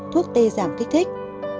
thuốc tê giảm kích thích